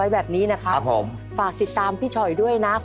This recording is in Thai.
แบบผมด้วยนะ